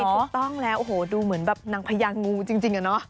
ถูกต้องแล้วโอ้โหดูเหมือนแบบนางพญางูจริงอะเนาะ